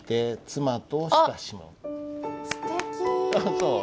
そう？